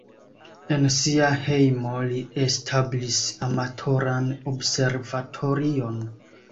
En sia hejmo li establis amatoran observatorion.